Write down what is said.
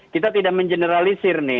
kita tidak mengeneralisir nih